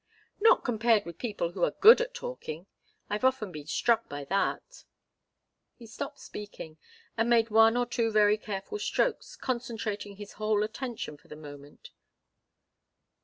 "Not compared with people who are good at talking. I've often been struck by that." He stopped speaking, and made one or two very careful strokes, concentrating his whole attention for the moment.